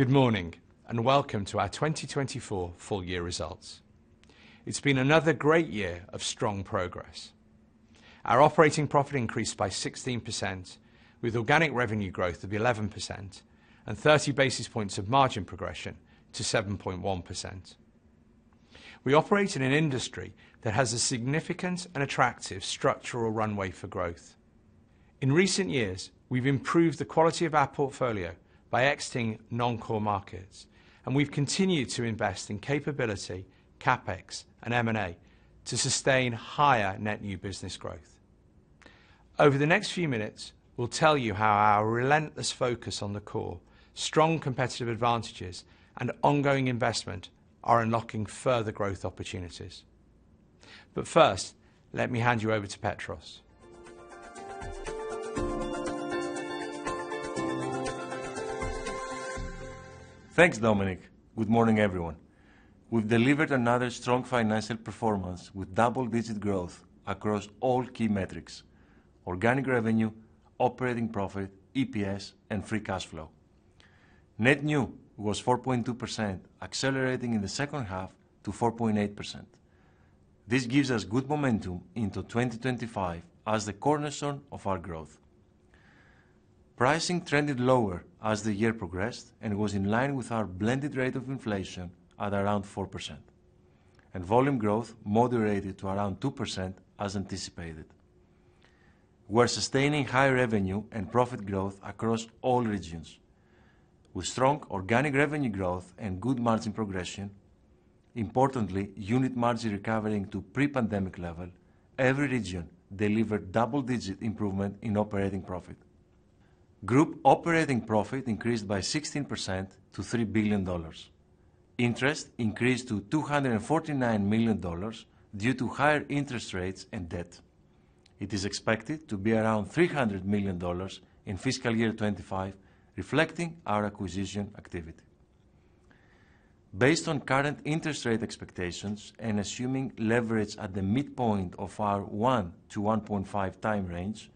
Good morning, and welcome to our 2024 full year results. It's been another great year of strong progress. Our operating profit increased by 16%, with organic revenue growth of 11% and 30 basis points of margin progression to 7.1%. We operate in an industry that has a significant and attractive structural runway for growth. In recent years, we've improved the quality of our portfolio by exiting non-core markets, and we've continued to invest in capability, CapEx, and M&A to sustain higher net new business growth. Over the next few minutes, we'll tell you how our relentless focus on the core, strong competitive advantages, and ongoing investment are unlocking further growth opportunities. But first, let me hand you over to Petros. Thanks, Dominic. Good morning, everyone. We've delivered another strong financial performance with double-digit growth across all key metrics: organic revenue, operating profit, EPS, and free cash flow. Net new was 4.2%, accelerating in the second half to 4.8%. This gives us good momentum into 2025 as the cornerstone of our growth. Pricing trended lower as the year progressed and was in line with our blended rate of inflation at around 4%, and volume growth moderated to around 2% as anticipated. We're sustaining high revenue and profit growth across all regions. With strong organic revenue growth and good margin progression, importantly, unit margin recovering to pre-pandemic level, every region delivered double-digit improvement in operating profit. Group operating profit increased by 16% to $3 billion. Interest increased to $249 million due to higher interest rates and debt. It is expected to be around $300 million in fiscal year 2025, reflecting our acquisition activity. Based on current interest rate expectations and assuming leverage at the midpoint of our 1x-1.5x range,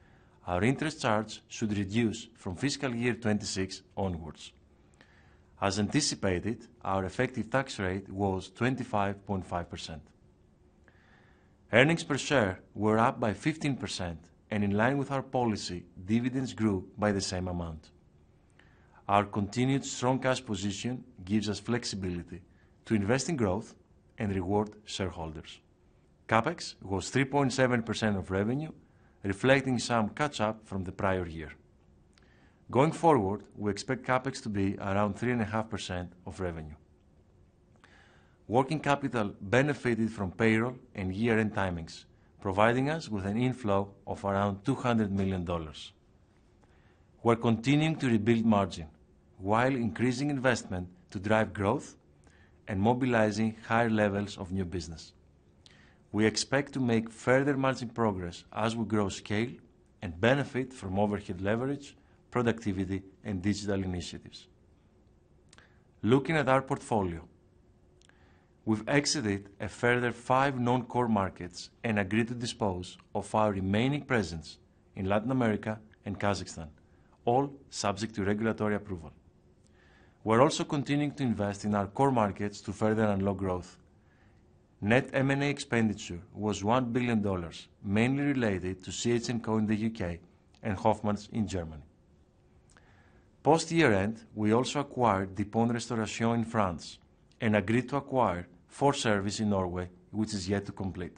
our interest charge should reduce from fiscal year 2026 onwards. As anticipated, our effective tax rate was 25.5%. Earnings per share were up by 15%, and in line with our policy, dividends grew by the same amount. Our continued strong cash position gives us flexibility to invest in growth and reward shareholders. CapEx was 3.7% of revenue, reflecting some catch-up from the prior year. Going forward, we expect CapEx to be around 3.5% of revenue. Working capital benefited from payroll and year-end timings, providing us with an inflow of around $200 million. We're continuing to rebuild margin while increasing investment to drive growth and mobilizing higher levels of new business. We expect to make further margin progress as we grow scale and benefit from overhead leverage, productivity, and digital initiatives. Looking at our portfolio, we've exited a further five non-core markets and agreed to dispose of our remaining presence in Latin America and Kazakhstan, all subject to regulatory approval. We're also continuing to invest in our core markets to further unlock growth. Net M&A expenditure was $1 billion, mainly related to CH&CO in the U.K. and Hofmann in Germany. Post year-end, we also acquired Dupont Restauration in France and agreed to acquire 4Service in Norway, which is yet to complete.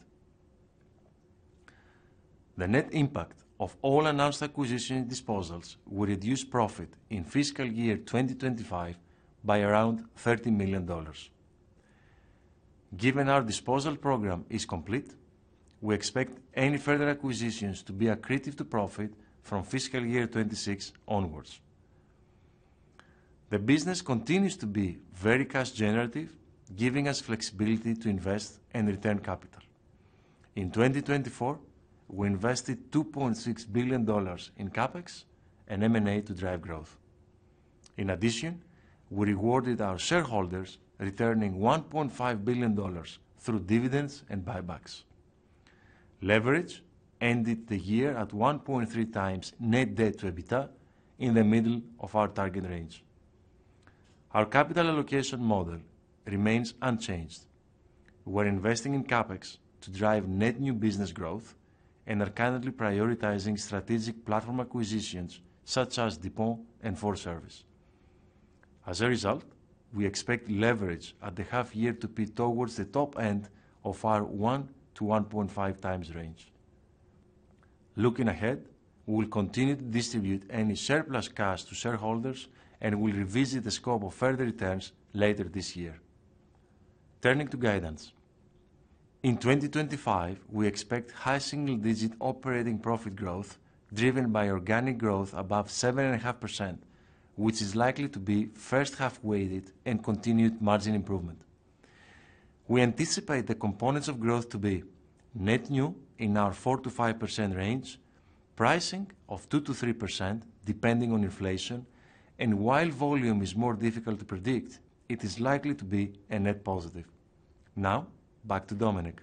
The net impact of all announced acquisition disposals will reduce profit in fiscal year 2025 by around $30 million. Given our disposal program is complete, we expect any further acquisitions to be accretive to profit from fiscal year 2026 onwards. The business continues to be very cash-generative, giving us flexibility to invest and return capital. In 2024, we invested $2.6 billion in CapEx and M&A to drive growth. In addition, we rewarded our shareholders, returning $1.5 billion through dividends and buybacks. Leverage ended the year at 1.3x net debt to EBITDA, in the middle of our target range. Our capital allocation model remains unchanged. We're investing in CapEx to drive net new business growth and are currently prioritizing strategic platform acquisitions such as Dupont and 4Service. As a result, we expect leverage at the half year to peak towards the top end of our 1x-1.5x range. Looking ahead, we will continue to distribute any surplus cash to shareholders and will revisit the scope of further returns later this year. Turning to guidance, in 2025, we expect high single-digit operating profit growth driven by organic growth above 7.5%, which is likely to be first-half weighted and continued margin improvement. We anticipate the components of growth to be net new in our 4%-5% range, pricing of 2%-3% depending on inflation, and while volume is more difficult to predict, it is likely to be a net positive. Now, back to Dominic.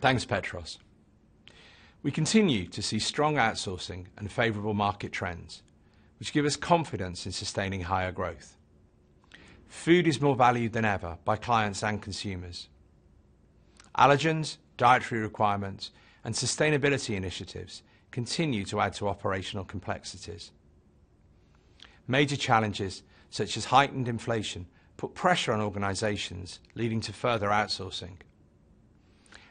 Thanks, Petros. We continue to see strong outsourcing and favorable market trends, which give us confidence in sustaining higher growth. Food is more valued than ever by clients and consumers. Allergens, dietary requirements, and sustainability initiatives continue to add to operational complexities. Major challenges such as heightened inflation put pressure on organizations, leading to further outsourcing.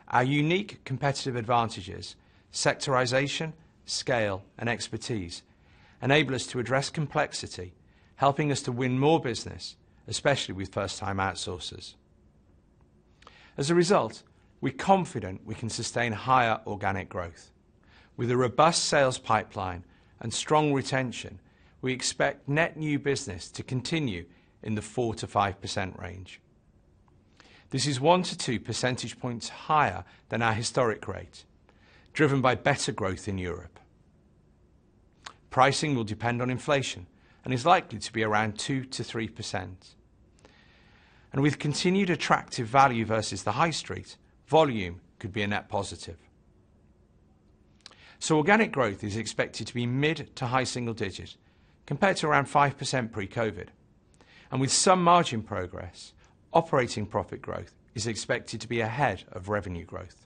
Our unique competitive advantages, sectorization, scale, and expertise enable us to address complexity, helping us to win more business, especially with first-time outsourcers. As a result, we're confident we can sustain higher organic growth. With a robust sales pipeline and strong retention, we expect net new business to continue in the 4%-5% range. This is 1%-2% higher than our historic rate, driven by better growth in Europe. Pricing will depend on inflation and is likely to be around 2%-3%. And with continued attractive value versus the high street, volume could be a net positive. So organic growth is expected to be mid to high single-digit compared to around 5% pre-COVID. And with some margin progress, operating profit growth is expected to be ahead of revenue growth.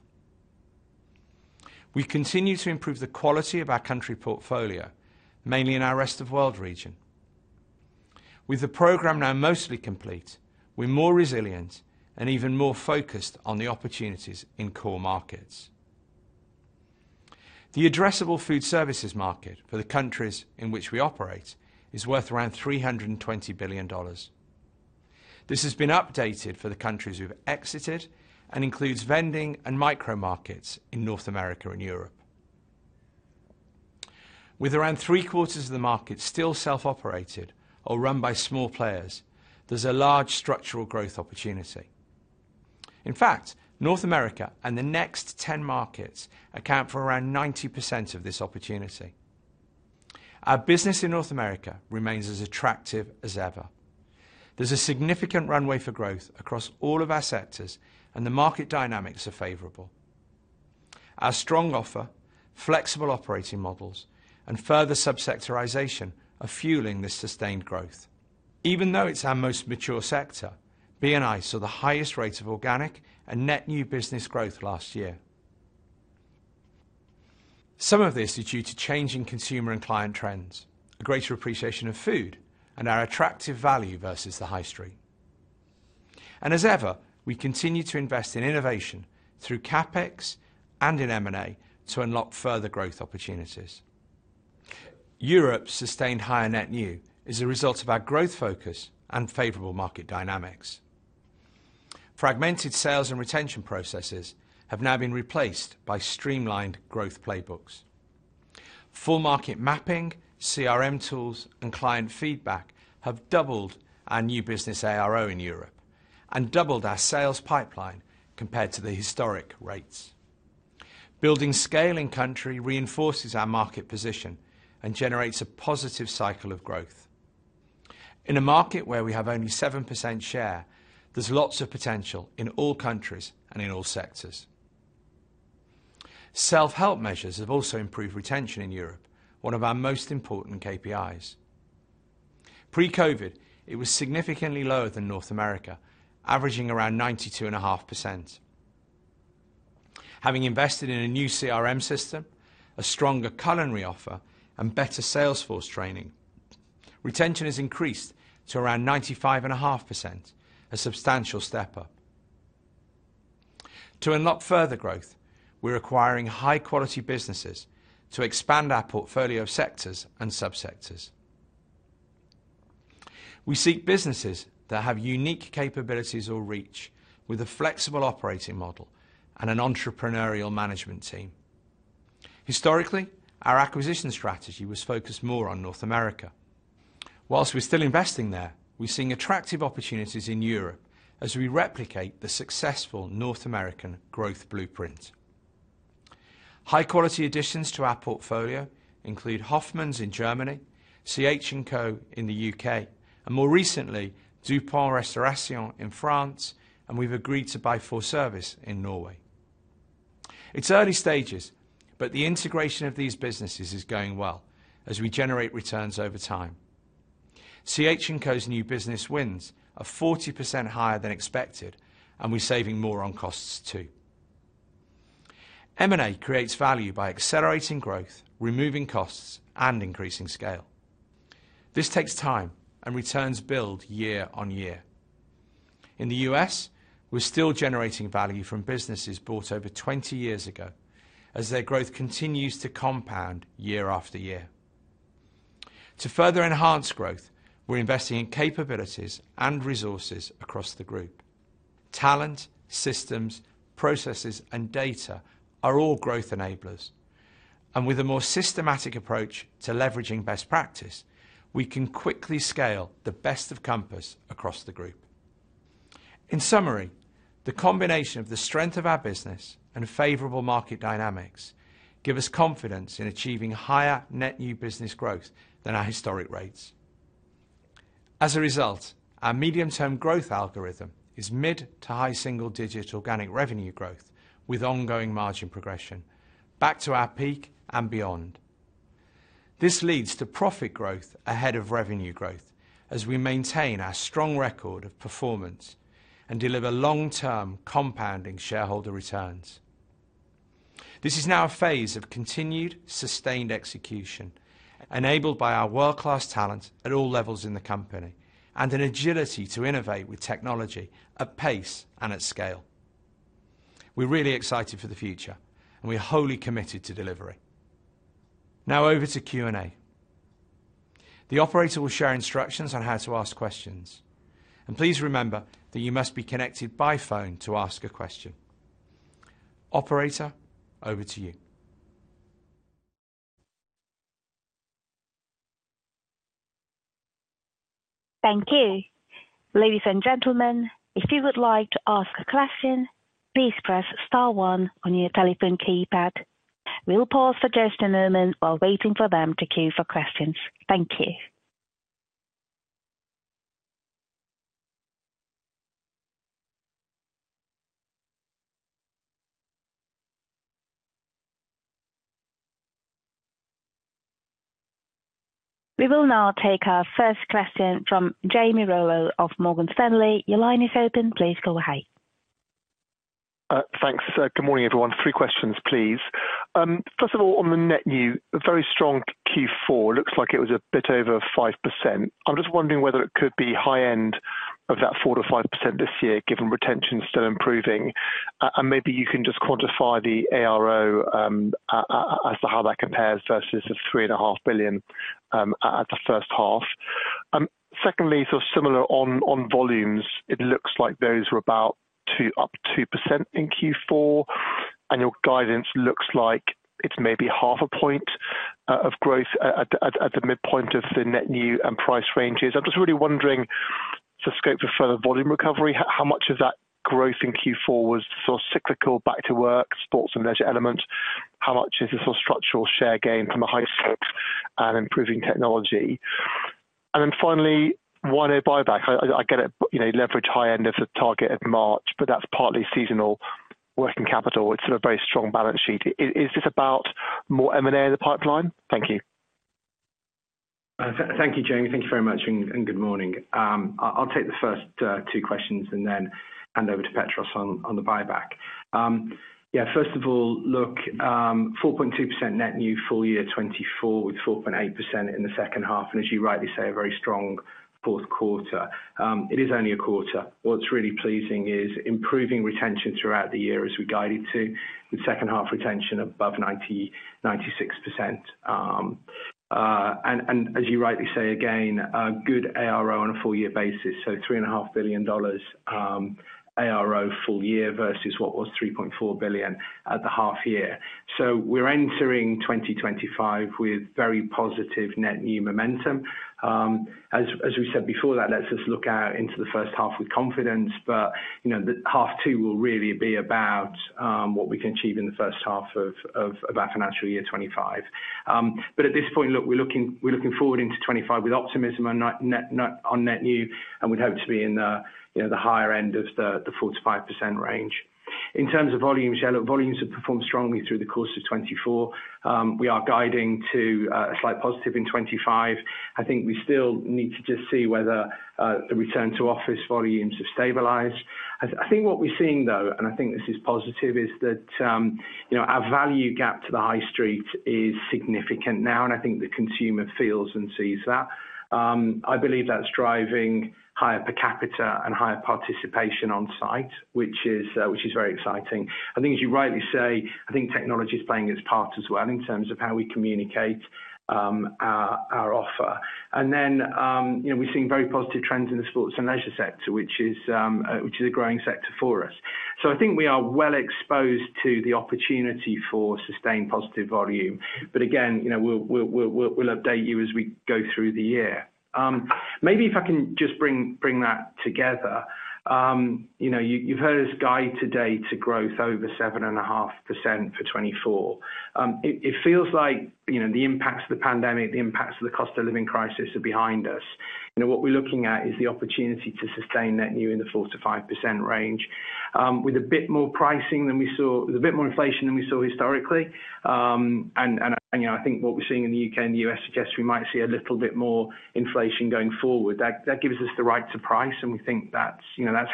We continue to improve the quality of our country portfolio, mainly in our Rest of World region. With the program now mostly complete, we're more resilient and even more focused on the opportunities in core markets. The addressable food services market for the countries in which we operate is worth around $320 billion. This has been updated for the countries we've exited and includes vending and micro-markets in North America and Europe. With around three-quarters of the market still self-operated or run by small players, there's a large structural growth opportunity. In fact, North America and the next 10 markets account for around 90% of this opportunity. Our business in North America remains as attractive as ever. There's a significant runway for growth across all of our sectors, and the market dynamics are favorable. Our strong offer, flexible operating models, and further subsectorization are fueling this sustained growth. Even though it's our most mature sector, B&I saw the highest rate of organic and net new business growth last year. Some of this is due to changing consumer and client trends, a greater appreciation of food, and our attractive value versus the high street, and as ever, we continue to invest in innovation through CapEx and in M&A to unlock further growth opportunities. Europe's sustained higher net new is a result of our growth focus and favorable market dynamics. Fragmented sales and retention processes have now been replaced by streamlined growth playbooks. Full market mapping, CRM tools, and client feedback have doubled our new business ARO in Europe and doubled our sales pipeline compared to the historic rates. Building scale in country reinforces our market position and generates a positive cycle of growth. In a market where we have only 7% share, there's lots of potential in all countries and in all sectors. Self-help measures have also improved retention in Europe, one of our most important KPIs. Pre-COVID, it was significantly lower than North America, averaging around 92.5%. Having invested in a new CRM system, a stronger culinary offer, and better Salesforce training, retention has increased to around 95.5%, a substantial step up. To unlock further growth, we're acquiring high-quality businesses to expand our portfolio of sectors and subsectors. We seek businesses that have unique capabilities or reach with a flexible operating model and an entrepreneurial management team. Historically, our acquisition strategy was focused more on North America. While we're still investing there, we're seeing attractive opportunities in Europe as we replicate the successful North American growth blueprint. High-quality additions to our portfolio include Hofmann in Germany, CH&CO in the U.K., and more recently, Dupont Restauration in France, and we've agreed to buy 4Service in Norway. It's early stages, but the integration of these businesses is going well as we generate returns over time. CH&CO's new business wins are 40% higher than expected, and we're saving more on costs too. M&A creates value by accelerating growth, removing costs, and increasing scale. This takes time, and returns build year on year. In the U.S., we're still generating value from businesses bought over 20 years ago as their growth continues to compound year after year. To further enhance growth, we're investing in capabilities and resources across the group. Talent, systems, processes, and data are all growth enablers, and with a more systematic approach to leveraging best practice, we can quickly scale the best of Compass across the group. In summary, the combination of the strength of our business and favorable market dynamics gives us confidence in achieving higher net new business growth than our historic rates. As a result, our medium-term growth algorithm is mid to high single-digit organic revenue growth with ongoing margin progression back to our peak and beyond. This leads to profit growth ahead of revenue growth as we maintain our strong record of performance and deliver long-term compounding shareholder returns. This is now a phase of continued sustained execution enabled by our world-class talent at all levels in the company and an agility to innovate with technology at pace and at scale. We're really excited for the future, and we're wholly committed to delivery. Now over to Q&A. The operator will share instructions on how to ask questions, and please remember that you must be connected by phone to ask a question. Operator, over to you. Thank you. Ladies and gentlemen, if you would like to ask a question, please press star one on your telephone keypad. We'll pause for just a moment while waiting for them to queue for questions. Thank you. We will now take our first question from Jamie Rollo of Morgan Stanley. Your line is open. Please go ahead. Thanks. Good morning, everyone. Three questions, please. First of all, on the net new, a very strong Q4. It looks like it was a bit over 5%. I'm just wondering whether it could be high-end of that 4%-5% this year, given retention still improving. And maybe you can just quantify the ARO as to how that compares versus the $3.5 billion at the first half. Secondly, sort of similar on volumes, it looks like those were about up 2% in Q4. And your guidance looks like it's maybe half a point of growth at the midpoint of the net new and price ranges. I'm just really wondering, for scope for further volume recovery, how much of that growth in Q4 was sort of cyclical back to work, sports, and leisure elements? How much is the sort of structural share gain from the high stocks and improving technology? And then finally, why no buyback? I get it, leverage high-end of the target of March, but that's partly seasonal working capital. It's sort of a very strong balance sheet. Is this about more M&A in the pipeline? Thank you. Thank you, Jamie. Thank you very much, and good morning. I'll take the first two questions and then hand over to Petros on the buyback. Yeah, first of all, look, 4.2% net new full year 2024 with 4.8% in the second half, and as you rightly say, a very strong fourth quarter. It is only a quarter. What's really pleasing is improving retention throughout the year as we guided to, with second half retention above 96%. And as you rightly say, again, good ARO on a full year basis. So $3.5 billion ARO full year versus what was $3.4 billion at the half year. So we're entering 2025 with very positive net new momentum. As we said before, that lets us look out into the first half with confidence, but half two will really be about what we can achieve in the first half of our financial year 2025. But at this point, look, we're looking forward into 2025 with optimism on net new, and we'd hope to be in the higher end of the 4%-5% range. In terms of volumes, yeah, look, volumes have performed strongly through the course of 2024. We are guiding to a slight positive in 2025. I think we still need to just see whether the return to office volumes have stabilized. I think what we're seeing, though, and I think this is positive, is that our value gap to the high street is significant now, and I think the consumer feels and sees that. I believe that's driving higher per capita and higher participation on site, which is very exciting. I think, as you rightly say, I think technology is playing its part as well in terms of how we communicate our offer. Then we're seeing very positive trends in the sports and leisure sector, which is a growing sector for us. I think we are well exposed to the opportunity for sustained positive volume. But again, we'll update you as we go through the year. Maybe if I can just bring that together, you've heard us guide today to growth over 7.5% for 2024. It feels like the impacts of the pandemic, the impacts of the cost of living crisis are behind us. What we're looking at is the opportunity to sustain net new in the 4%-5% range, with a bit more pricing than we saw, with a bit more inflation than we saw historically. I think what we're seeing in the U.K. and the U.S. suggests we might see a little bit more inflation going forward. That gives us the right to price, and we think that's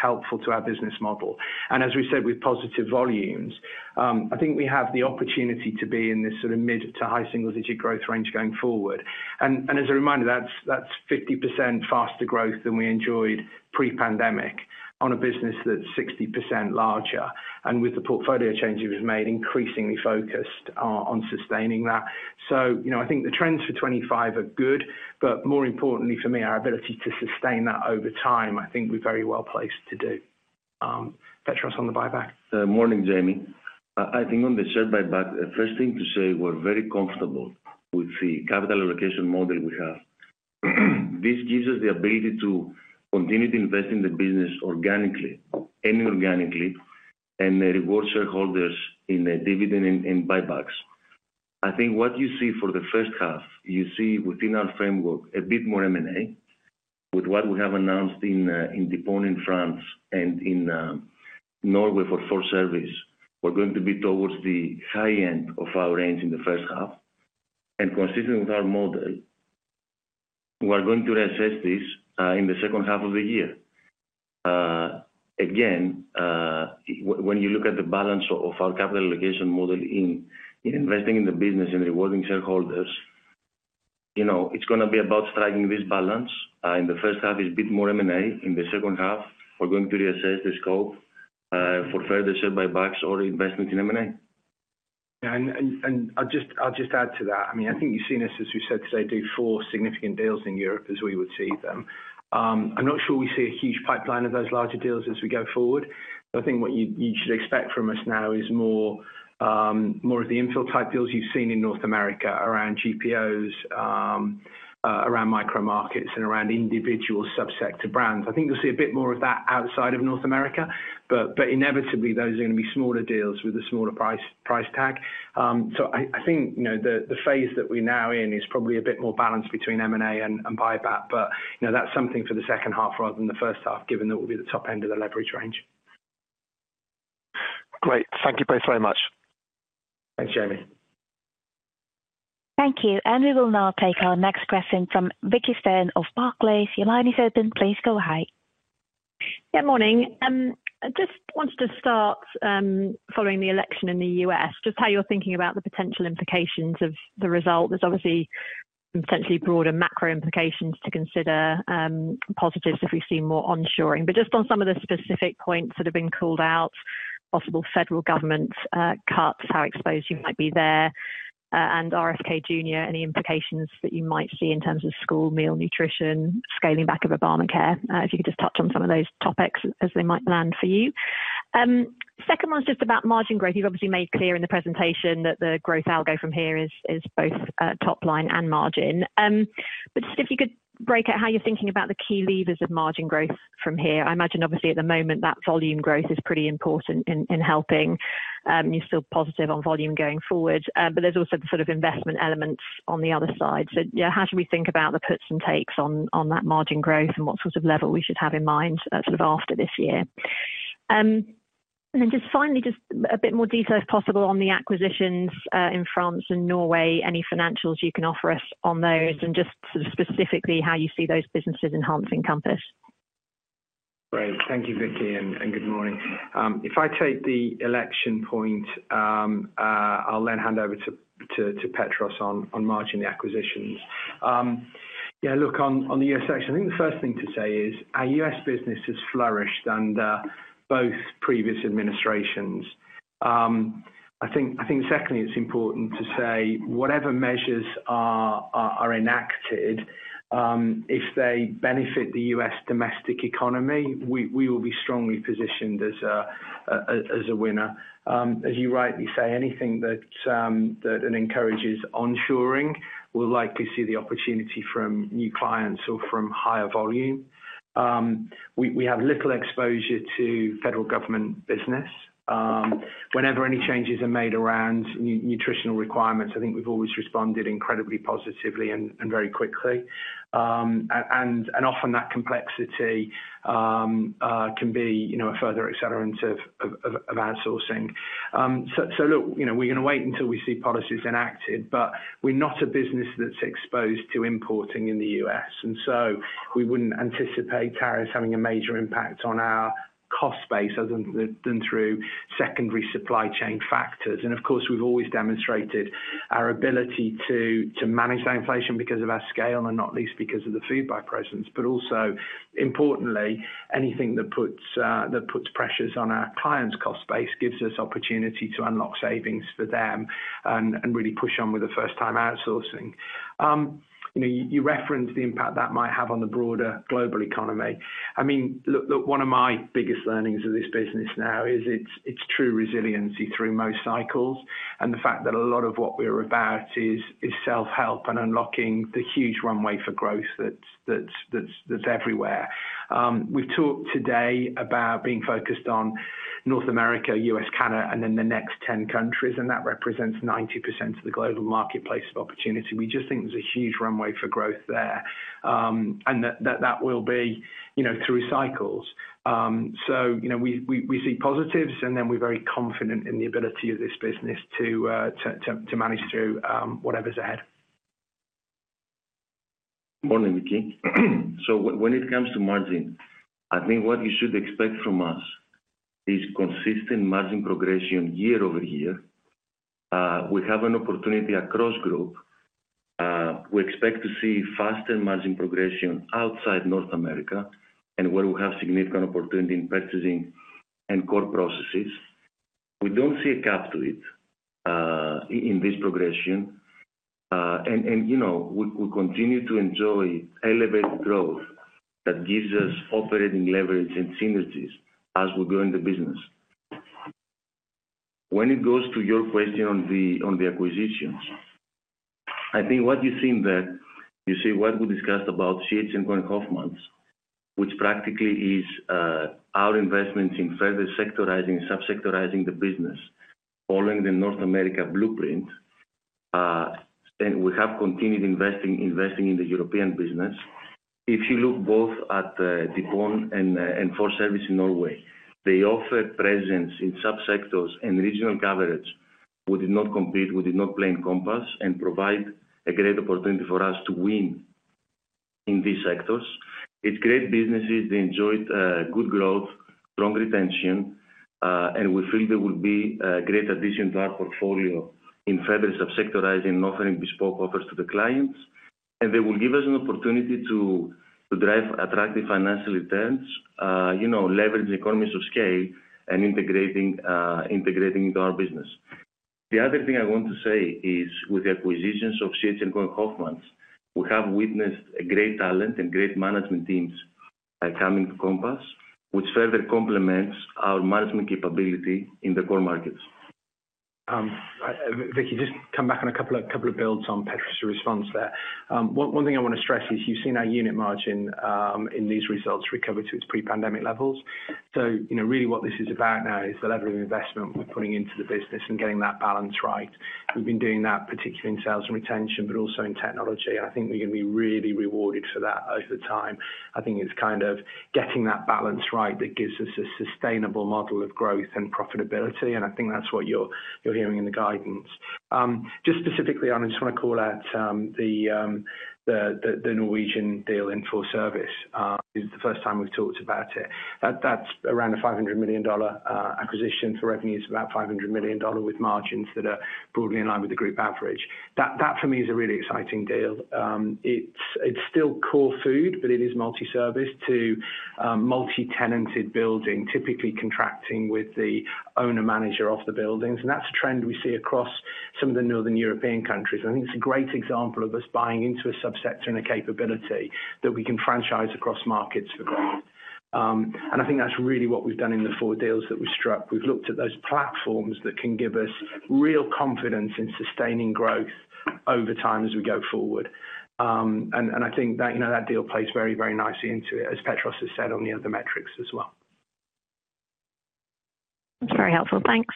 helpful to our business model. And as we said, with positive volumes, I think we have the opportunity to be in this sort of mid to high single-digit growth range going forward. And as a reminder, that's 50% faster growth than we enjoyed pre-pandemic on a business that's 60% larger. And with the portfolio changes made, increasingly focused on sustaining that. So I think the trends for 2025 are good, but more importantly for me, our ability to sustain that over time, I think we're very well placed to do. Petros on the buyback? Morning, Jamie. I think on the share buyback, the first thing to say, we're very comfortable with the capital allocation model we have. This gives us the ability to continue to invest in the business organically and inorganically, and reward shareholders with dividends and buybacks. I think what you see for the first half, you see within our framework a bit more M&A with what we have announced in Dupont in France and in Norway for 4Service. We're going to be towards the high end of our range in the first half. And consistent with our model, we're going to reassess this in the second half of the year. Again, when you look at the balance of our capital allocation model in investing in the business and rewarding shareholders, it's going to be about striking this balance. In the first half, it's a bit more M&A. In the second half, we're going to reassess the scope for further share buybacks or investment in M&A. Yeah, and I'll just add to that. I mean, I think you've seen us, as we said today, do four significant deals in Europe as we would see them. I'm not sure we see a huge pipeline of those larger deals as we go forward. But I think what you should expect from us now is more of the infill type deals you've seen in North America around GPOs, around micro markets, and around individual subsector brands. I think you'll see a bit more of that outside of North America, but inevitably, those are going to be smaller deals with a smaller price tag. So I think the phase that we're now in is probably a bit more balanced between M&A and buyback, but that's something for the second half rather than the first half, given that we'll be at the top end of the leverage range. Great. Thank you both very much. Thanks, Jamie. Thank you, and we will now take our next question from Vicki Stern of Barclays. Your line is open. Please go ahead. Good morning. I just wanted to start following the election in the U.S., just how you're thinking about the potential implications of the result. There's obviously potentially broader macro implications to consider, positives if we see more onshoring. But just on some of the specific points that have been called out, possible federal government cuts, how exposed you might be there, and RFK Jr., any implications that you might see in terms of school meal nutrition, scaling back of Obamacare. If you could just touch on some of those topics as they might land for you. Second one is just about margin growth. You've obviously made clear in the presentation that the growth algo from here is both top line and margin. But just if you could break out how you're thinking about the key levers of margin growth from here. I imagine, obviously, at the moment, that volume growth is pretty important in helping. You're still positive on volume going forward, but there's also the sort of investment elements on the other side. So how should we think about the puts and takes on that margin growth and what sort of level we should have in mind sort of after this year? And then just finally, just a bit more detail if possible on the acquisitions in France and Norway, any financials you can offer us on those, and just sort of specifically how you see those businesses enhancing Compass. Great. Thank you, Vicki, and good morning. If I take the election point, I'll then hand over to Petros on margins and acquisitions. Yeah, look, on the U.S. section, I think the first thing to say is our U.S. business has flourished under both previous administrations. I think secondly, it's important to say whatever measures are enacted, if they benefit the U.S. domestic economy, we will be strongly positioned as a winner. As you rightly say, anything that encourages onshoring will likely see the opportunity from new clients or from higher volume. We have little exposure to federal government business. Whenever any changes are made around nutritional requirements, I think we've always responded incredibly positively and very quickly. And often that complexity can be a further accelerant of outsourcing. So look, we're going to wait until we see policies enacted, but we're not a business that's exposed to importing in the U.S. And so we wouldn't anticipate tariffs having a major impact on our cost base other than through secondary supply chain factors. And of course, we've always demonstrated our ability to manage that inflation because of our scale and not least because of the Foodbuy presence, but also importantly, anything that puts pressures on our clients' cost base gives us opportunity to unlock savings for them and really push on with the first-time outsourcing. You referenced the impact that might have on the broader global economy. I mean, look, one of my biggest learnings of this business now is its true resiliency through most cycles and the fact that a lot of what we're about is self-help and unlocking the huge runway for growth that's everywhere. We've talked today about being focused on North America, U.S., Canada, and then the next 10 countries, and that represents 90% of the global marketplace of opportunity. We just think there's a huge runway for growth there, and that will be through cycles. So we see positives, and then we're very confident in the ability of this business to manage through whatever's ahead. Morning, Vicki. So when it comes to margin, I think what you should expect from us is consistent margin progression year-over-year. We have an opportunity across group. We expect to see faster margin progression outside North America and where we have significant opportunity in purchasing and core processes. We don't see a cap to it in this progression. And we continue to enjoy elevated growth that gives us operating leverage and synergies as we grow in the business. When it goes to your question on the acquisitions, I think what you think that you see what we discussed about CH&CO and Hofmann, which practically is our investments in further sectorizing and subsectorizing the business following the North America blueprint, and we have continued investing in the European business. If you look both at Dupont and 4Service in Norway, they offer presence in subsectors and regional coverage. We did not compete. We did not play in Compass and provide a great opportunity for us to win in these sectors. It's great businesses. They enjoyed good growth, strong retention, and we feel they will be a great addition to our portfolio in further subsectorizing and offering bespoke offers to the clients, and they will give us an opportunity to drive attractive financial returns, leverage the economies of scale, and integrating into our business. The other thing I want to say is with the acquisitions of CH&CO and Hofmann, we have witnessed a great talent and great management teams coming to Compass, which further complements our management capability in the core markets. Vicki, just come back on a couple of builds on Petros' response there. One thing I want to stress is you've seen our unit margin in these results recover to its pre-pandemic levels. So really what this is about now is the level of investment we're putting into the business and getting that balance right. We've been doing that particularly in sales and retention, but also in technology. And I think we're going to be really rewarded for that over time. I think it's kind of getting that balance right that gives us a sustainable model of growth and profitability. And I think that's what you're hearing in the guidance. Just specifically, I just want to call out the Norwegian deal in 4Service. It's the first time we've talked about it. That's around a $500 million acquisition for revenues of about $500 million with margins that are broadly in line with the group average. That, for me, is a really exciting deal. It's still core food, but it is multi-service to multi-tenanted building, typically contracting with the owner-manager of the buildings, and that's a trend we see across some of the northern European countries. I think it's a great example of us buying into a subsector and a capability that we can franchise across markets for growth, and I think that's really what we've done in the four deals that we've struck. We've looked at those platforms that can give us real confidence in sustaining growth over time as we go forward, and I think that deal plays very, very nicely into it, as Petros has said on the other metrics as well. That's very helpful. Thanks.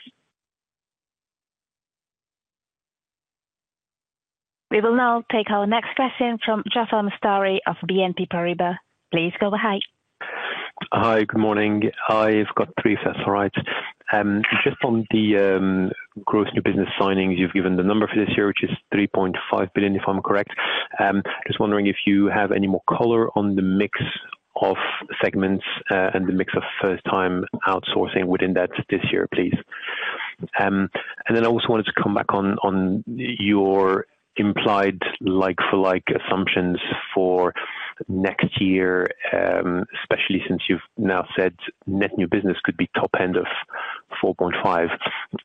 We will now take our next question from Jaafar Mestari of BNP Paribas. Please go ahead. Hi, good morning. I've got three sets, all right. Just on the growth new business signings, you've given the number for this year, which is $3.5 billion, if I'm correct. Just wondering if you have any more color on the mix of segments and the mix of first-time outsourcing within that this year, please. And then I also wanted to come back on your implied like-for-like assumptions for next year, especially since you've now said net new business could be top end of $4.5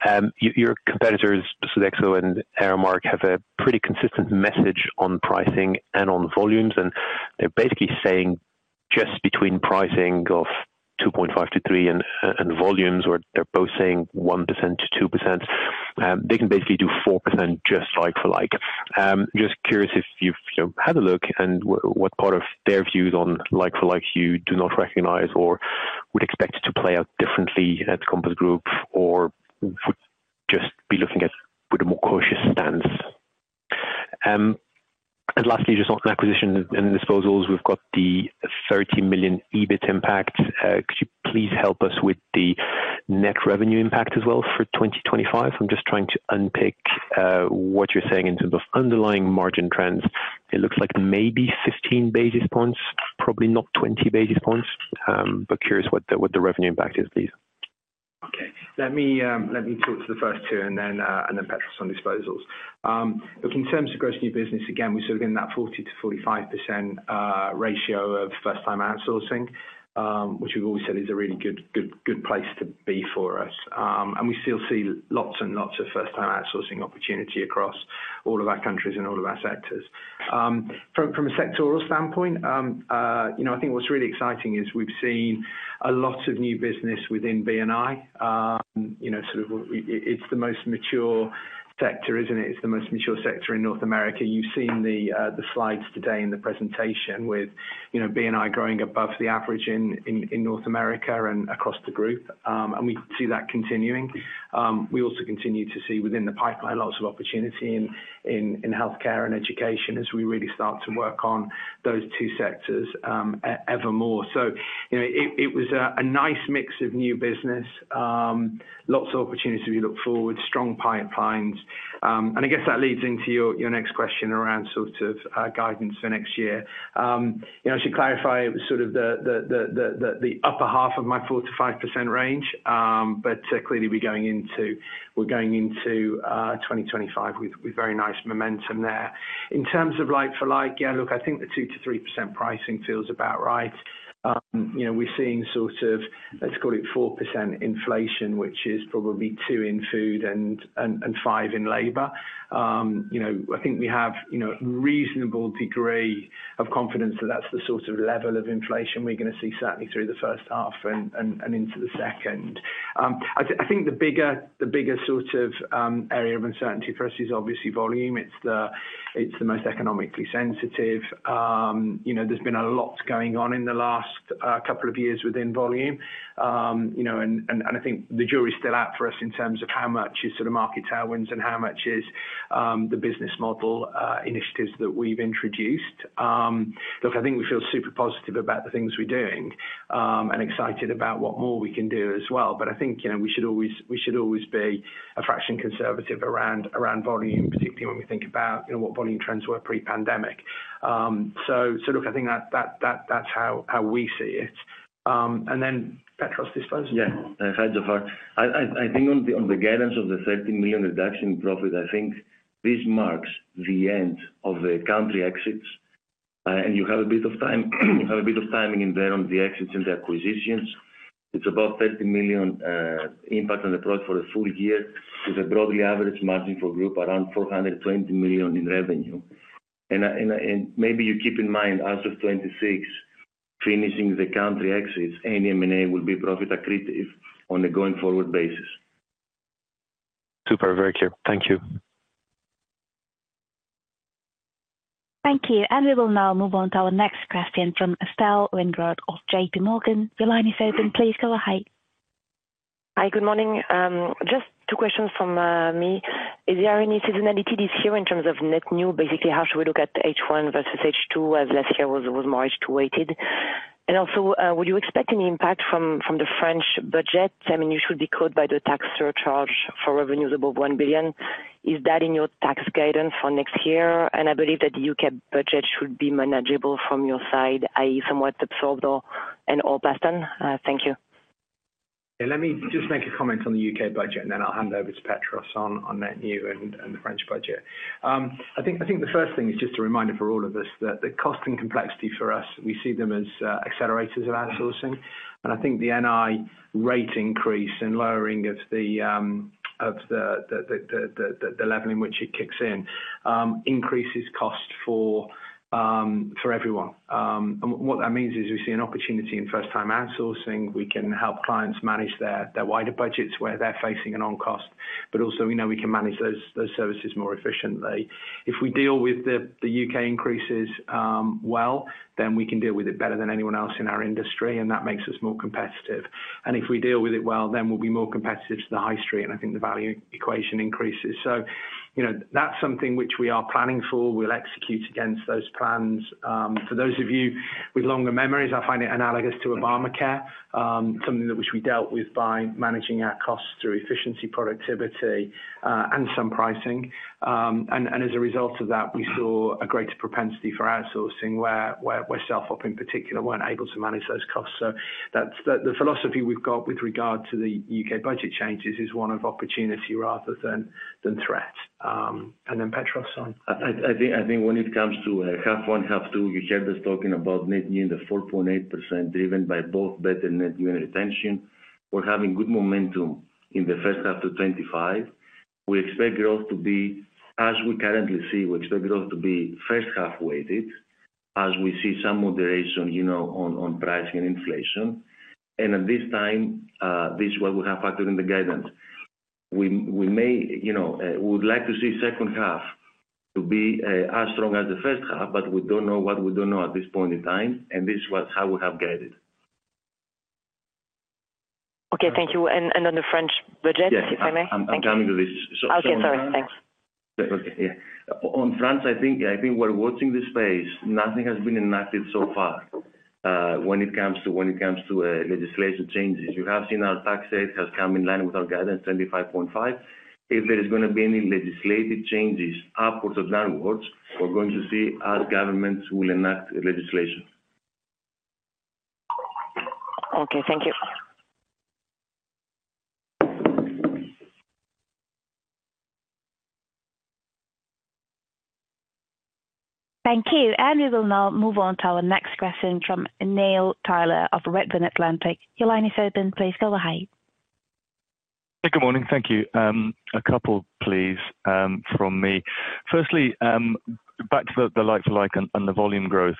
billion. Your competitors, Sodexo and Aramark, have a pretty consistent message on pricing and on volumes, and they're basically saying just between pricing of 2.5%-3% and volumes, or they're both saying 1%-2%. They can basically do 4% just like-for-like. Just curious if you've had a look, and what part of their views on like-for-like you do not recognize or would expect to play out differently at the Compass Group or would just be looking at with a more cautious stance. And lastly, just on acquisition and disposals, we've got the $30 million EBIT impact. Could you please help us with the net revenue impact as well for 2025? I'm just trying to unpick what you're saying in terms of underlying margin trends. It looks like maybe 15 basis points, probably not 20 basis points, but curious what the revenue impact is, please. Okay. Let me talk to the first two and then Petros on disposals. Look, in terms of growth new business, again, we're sort of getting that 40%-45% ratio of first-time outsourcing, which we've always said is a really good place to be for us, and we still see lots and lots of first-time outsourcing opportunity across all of our countries and all of our sectors. From a sectoral standpoint, I think what's really exciting is we've seen a lot of new business within B&I. Sort of, it's the most mature sector, isn't it? It's the most mature sector in North America. You've seen the slides today in the presentation with B&I growing above the average in North America and across the group, and we see that continuing. We also continue to see within the pipeline lots of opportunity in healthcare and education as we really start to work on those two sectors evermore. So it was a nice mix of new business, lots of opportunities as we look forward, strong pipelines. And I guess that leads into your next question around sort of guidance for next year. I should clarify it was sort of the upper half of my 4%-5% range, but clearly we're going into 2025 with very nice momentum there. In terms of like-for-like, yeah, look, I think the 2%-3% pricing feels about right. We're seeing sort of, let's call it 4% inflation, which is probably 2% in food and 5% in labor. I think we have a reasonable degree of confidence that that's the sort of level of inflation we're going to see certainly through the first half and into the second. I think the bigger sort of area of uncertainty for us is obviously volume. It's the most economically sensitive. There's been a lot going on in the last couple of years within volume, and I think the jury's still out for us in terms of how much is sort of market tailwinds and how much is the business model initiatives that we've introduced. Look, I think we feel super positive about the things we're doing and excited about what more we can do as well, but I think we should always be a fraction conservative around volume, particularly when we think about what volume trends were pre-pandemic, so look, I think that's how we see it, and then Petros, disposal? Yeah, I heard that. I think on the guidance of the 30 million reduction in profit, I think this marks the end of the country exits. And you have a bit of time in there on the exits and the acquisitions. It's about 30 million impact on the profit for the full year with a broadly average margin for group around 420 million in revenue. And maybe you keep in mind, as of 2026, finishing the country exits, EMEA and all will be profit accretive on a going forward basis. Super. Very clear. Thank you. Thank you. And we will now move on to our next question from Estelle Weingrod of JPMorgan. Your line is open. Please go ahead. Hi, good morning. Just two questions from me. Is there any seasonality this year in terms of net new? Basically, how should we look at H1 versus H2 as last year was more H2-weighted? And also, would you expect any impact from the French budget? I mean, you should be caught by the tax surcharge for revenues above 1 billion. Is that in your tax guidance for next year? And I believe that the U.K. budget should be manageable from your side, i.e., somewhat absorbable and all pass one. Thank you. Yeah, let me just make a comment on the U.K. budget, and then I'll hand over to Petros on net new and the French budget. I think the first thing is just a reminder for all of us that the cost and complexity for us, we see them as accelerators of outsourcing. And I think the NI rate increase and lowering of the level in which it kicks in increases cost for everyone. And what that means is we see an opportunity in first-time outsourcing. We can help clients manage their wider budgets where they're facing an on-cost, but also we know we can manage those services more efficiently. If we deal with the U.K. increases well, then we can deal with it better than anyone else in our industry, and that makes us more competitive. And if we deal with it well, then we'll be more competitive to the high street, and I think the value equation increases. So that's something which we are planning for. We'll execute against those plans. For those of you with longer memories, I find it analogous to Obamacare, something which we dealt with by managing our costs through efficiency, productivity, and some pricing. And as a result of that, we saw a greater propensity for outsourcing where self-help in particular weren't able to manage those costs. So the philosophy we've got with regard to the U.K. budget changes is one of opportunity rather than threat. And then Petros, on? I think when it comes to half one, half two, you hear the stock in about net new in the 4.8% driven by both better net new and retention. We're having good momentum in the first half 2025. We expect growth to be, as we currently see, we expect growth to be first-half weighted as we see some moderation on pricing and inflation. And at this time, this is what we have factored in the guidance. We would like to see second half to be as strong as the first half, but we don't know what we don't know at this point in time. And this is how we have guided. Okay, thank you. And on the French budget, if I may? Yeah, I'm coming to this. Okay, sorry. Thanks. Okay. Yeah. On France, I think we're watching this phase. Nothing has been enacted so far when it comes to legislation changes. You have seen our tax rate has come in line with our guidance, 25.5%. If there is going to be any legislative changes upwards or downwards, we're going to see as governments will enact legislation. Okay, thank you. Thank you. And we will now move on to our next question from Neil Tyler of Redburn Atlantic. Your line is open. Please go ahead. Good morning. Thank you. A couple, please, from me. Firstly, back to the like-for-like and the volume growth.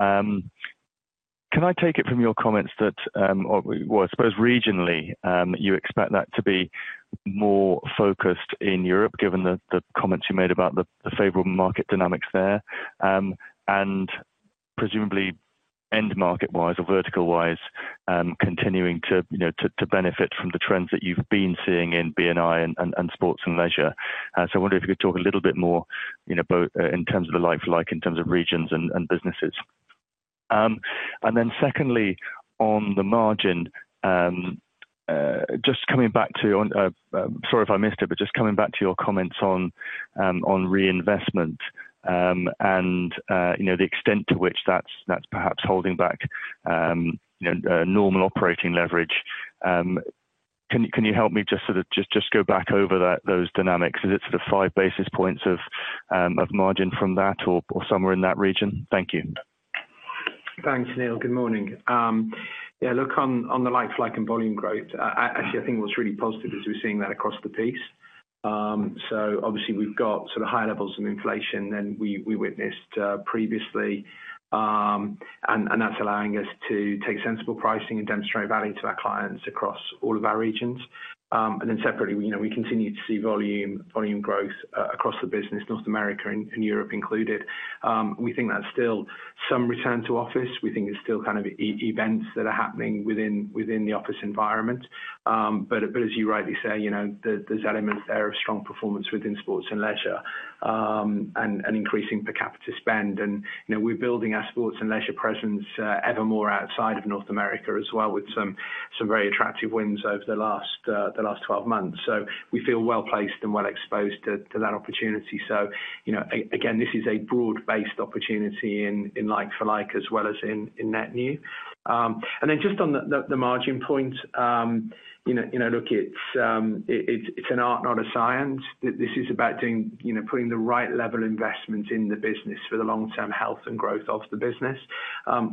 Can I take it from your comments that, well, I suppose regionally, you expect that to be more focused in Europe, given the comments you made about the favorable market dynamics there, and presumably end market-wise or vertical-wise, continuing to benefit from the trends that you've been seeing in B&I and sports and leisure? So I wonder if you could talk a little bit more in terms of the like-for-like in terms of regions and businesses. And then secondly, on the margin, just coming back to, sorry if I missed it, but just coming back to your comments on reinvestment and the extent to which that's perhaps holding back normal operating leverage. Can you help me just sort of just go back over those dynamics? Is it sort of five basis points of margin from that or somewhere in that region? Thank you. Thanks, Neil. Good morning. Yeah, look, on the like-for-like and volume growth, actually, I think what's really positive is we're seeing that across the piece, so obviously, we've got sort of higher levels of inflation than we witnessed previously, and that's allowing us to take sensible pricing and demonstrate value to our clients across all of our regions, and then separately, we continue to see volume growth across the business, North America and Europe included. We think that's still some return to office. We think it's still kind of events that are happening within the office environment, but as you rightly say, there's elements there of strong performance within sports and leisure and increasing per capita spend, and we're building our sports and leisure presence evermore outside of North America as well with some very attractive wins over the last 12 months. So we feel well placed and well exposed to that opportunity. So again, this is a broad-based opportunity in like-for-like as well as in net new. And then just on the margin points, look, it's an art, not a science. This is about putting the right level of investment in the business for the long-term health and growth of the business.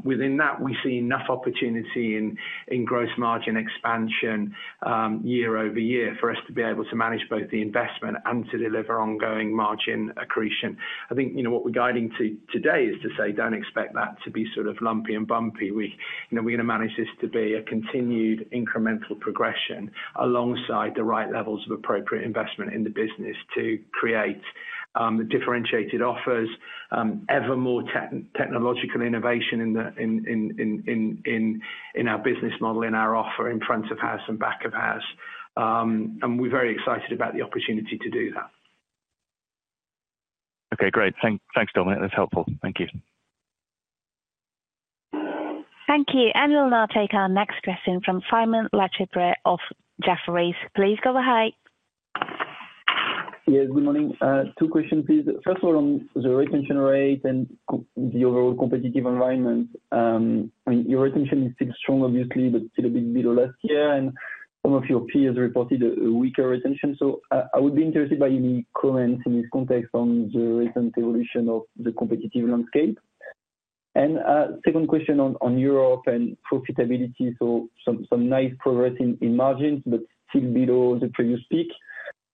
Within that, we see enough opportunity in gross margin expansion year-over-year for us to be able to manage both the investment and to deliver ongoing margin accretion. I think what we're guiding to today is to say, don't expect that to be sort of lumpy and bumpy. We're going to manage this to be a continued incremental progression alongside the right levels of appropriate investment in the business to create differentiated offers, evermore technological innovation in our business model, in our offer in front of house and back of house, and we're very excited about the opportunity to do that. Okay, great. Thanks, Dominic. That's helpful. Thank you. Thank you. And we'll now take our next question from Simon LeChipre of Jefferies. Please go ahead. Yes, good morning. Two questions, please. First of all, on the retention rate and the overall competitive environment. I mean, your retention is still strong, obviously, but still a bit below last year. And some of your peers reported a weaker retention. So I would be interested by any comments in this context on the recent evolution of the competitive landscape. And second question on Europe and profitability. So some nice progress in margins, but still below the previous peak.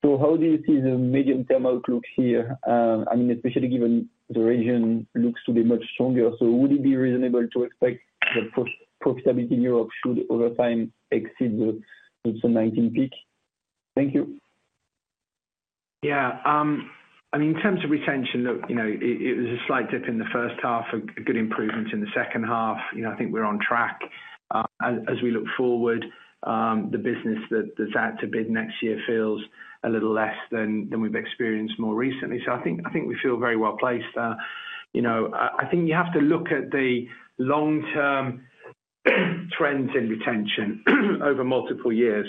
So how do you see the medium-term outlook here? I mean, especially given the region looks to be much stronger. So would it be reasonable to expect that profitability in Europe should, over time, exceed the 2019 peak? Thank you. Yeah. I mean, in terms of retention, look, it was a slight dip in the first half, a good improvement in the second half. I think we're on track. As we look forward, the business that's out to bid next year feels a little less than we've experienced more recently, so I think we feel very well placed there. I think you have to look at the long-term trends in retention over multiple years,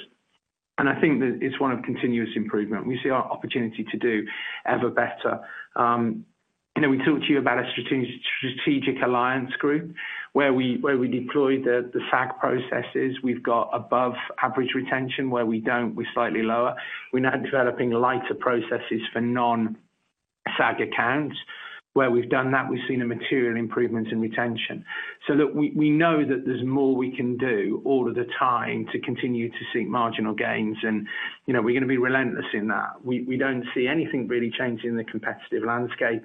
and I think it's one of continuous improvement. We see our opportunity to do ever better. We talked to you about a Strategic Alliance Group where we deployed the SAG processes. We've got above-average retention where we don't, we're slightly lower. We're now developing lighter processes for non-SAG accounts. Where we've done that, we've seen a material improvement in retention. So look, we know that there's more we can do all of the time to continue to seek marginal gains. And we're going to be relentless in that. We don't see anything really changing the competitive landscape.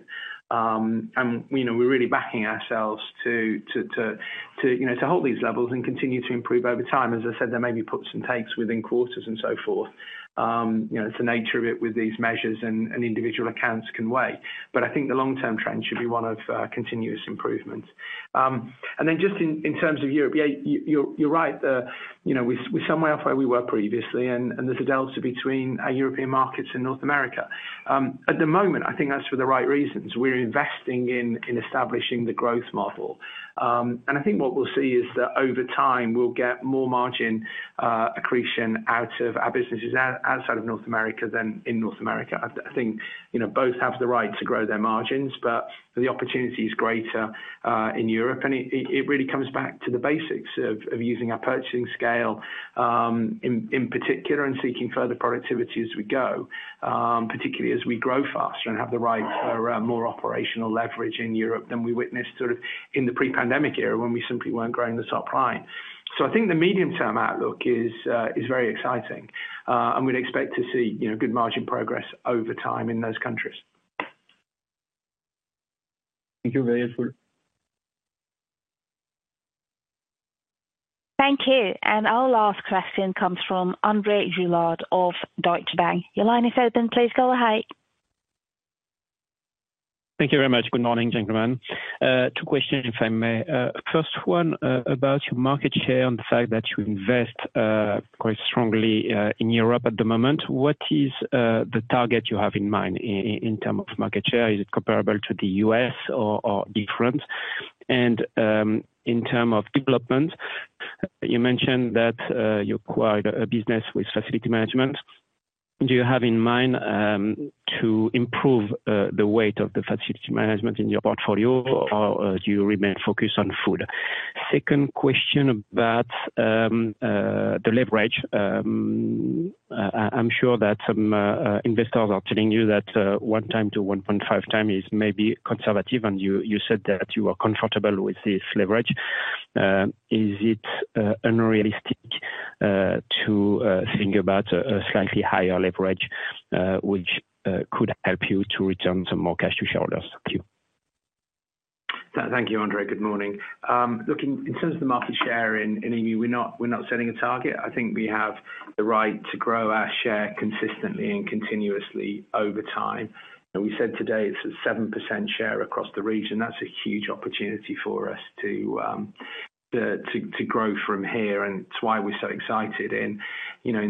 And we're really backing ourselves to hold these levels and continue to improve over time. As I said, there may be puts and takes within quarters and so forth. It's the nature of it with these measures and individual accounts can weigh. But I think the long-term trend should be one of continuous improvement. And then just in terms of Europe, yeah, you're right. We're somewhere else where we were previously. And there's a delta between our European markets and North America. At the moment, I think that's for the right reasons. We're investing in establishing the growth model. And I think what we'll see is that over time, we'll get more margin accretion out of our businesses outside of North America than in North America. I think both have the right to grow their margins, but the opportunity is greater in Europe. And it really comes back to the basics of using our purchasing scale, in particular, and seeking further productivity as we go, particularly as we grow faster and have the right for more operational leverage in Europe than we witnessed sort of in the pre-pandemic era when we simply weren't growing the top line. So I think the medium-term outlook is very exciting. And we'd expect to see good margin progress over time in those countries. Thank you very much. Thank you. And our last question comes from André Juillard of Deutsche Bank. Your line is open. Please go ahead. Thank you very much. Good morning, gentlemen. Two questions, if I may. First one about your market share and the fact that you invest quite strongly in Europe at the moment. What is the target you have in mind in terms of market share? Is it comparable to the U.S. or different? And in terms of development, you mentioned that you acquired a business with facility management. Do you have in mind to improve the weight of the facility management in your portfolio, or do you remain focused on food? Second question about the leverage. I'm sure that some investors are telling you that 1x-1.5x is maybe conservative, and you said that you are comfortable with this leverage. Is it unrealistic to think about a slightly higher leverage, which could help you to return some more cash to shareholders? Thank you. Thank you, André. Good morning. Look, in terms of the market share in E.U., we're not setting a target. I think we have the right to grow our share consistently and continuously over time. We said today it's a 7% share across the region. That's a huge opportunity for us to grow from here. And it's why we're so excited in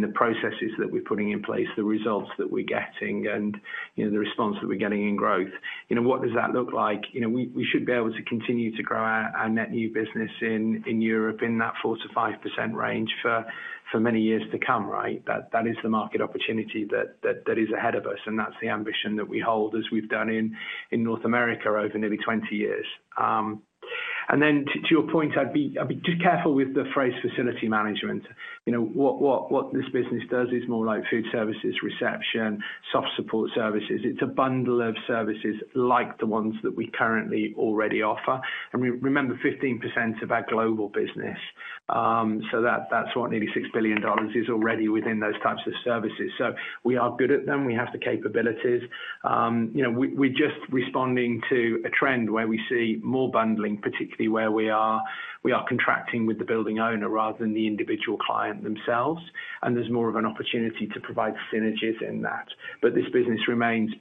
the processes that we're putting in place, the results that we're getting, and the response that we're getting in growth. What does that look like? We should be able to continue to grow our net new business in Europe in that 4%-5% range for many years to come, right? That is the market opportunity that is ahead of us. And that's the ambition that we hold, as we've done in North America over nearly 20 years. And then to your point, I'd be just careful with the phrase facility management. What this business does is more like food services, reception, soft support services. It's a bundle of services like the ones that we currently already offer. And remember, 15% of our global business. So that's what nearly $6 billion is already within those types of services. So we are good at them. We have the capabilities. We're just responding to a trend where we see more bundling, particularly where we are contracting with the building owner rather than the individual client themselves. And there's more of an opportunity to provide synergies in that. But this business remains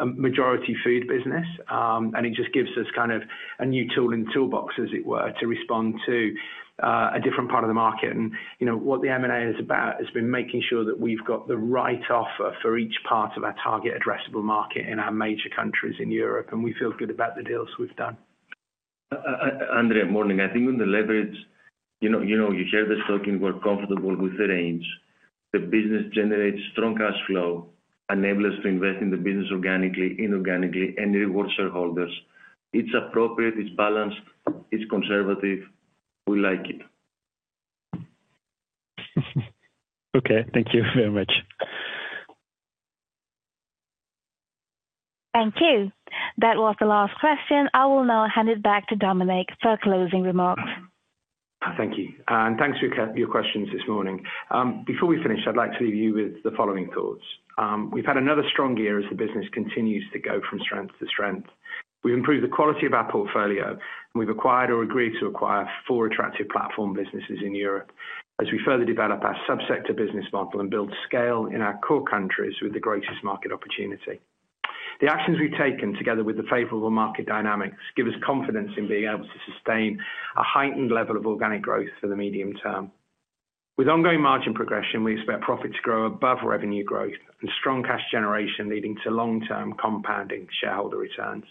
a majority food business. And it just gives us kind of a new tool in the toolbox, as it were, to respond to a different part of the market. What the M&A is about has been making sure that we've got the right offer for each part of our target addressable market in our major countries in Europe. We feel good about the deals we've done. André, morning. I think on the leverage, you heard the stock. In, we're comfortable with the range. The business generates strong cash flow, enables us to invest in the business organically, inorganically, and reward shareholders. It's appropriate, it's balanced, it's conservative. We like it. Okay, thank you very much. Thank you. That was the last question. I will now hand it back to Dominic for closing remarks. Thank you, and thanks for your questions this morning. Before we finish, I'd like to leave you with the following thoughts. We've had another strong year as the business continues to go from strength to strength. We've improved the quality of our portfolio. We've acquired or agreed to acquire four attractive platform businesses in Europe as we further develop our subsector business model and build scale in our core countries with the greatest market opportunity. The actions we've taken together with the favorable market dynamics give us confidence in being able to sustain a heightened level of organic growth for the medium term. With ongoing margin progression, we expect profits to grow above revenue growth and strong cash generation leading to long-term compounding shareholder returns.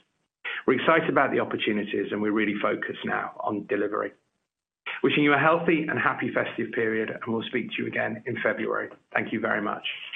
We're excited about the opportunities, and we're really focused now on delivery. Wishing you a healthy and happy festive period, and we'll speak to you again in February. Thank you very much.